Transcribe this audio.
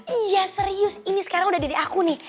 iya serius ini sekarang udah diri aku nih